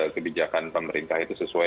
kebijakan pemerintah itu sesuai